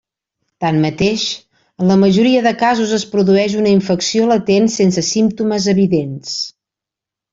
Tanmateix, en la majoria de casos es produeix una infecció latent sense símptomes evidents.